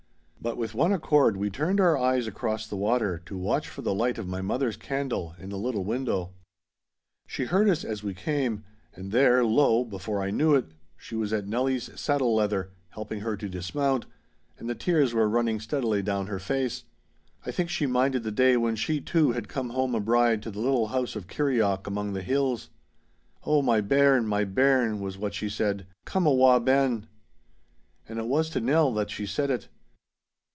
But with one accord we turned our eyes across the water to watch for the light of my mother's candle in the little window. She heard us as we came; and there, lo! before I knew it, she was at Nelly's saddle leather, helping her to dismount, and the tears were running steadily down her face. I think she minded the day when she, too, had come home a bride to the little house of Kirrieoch among the hills. 'Oh, my bairn—my bairn,' was what she said, 'come awa' ben!' And it was to Nell that she said it.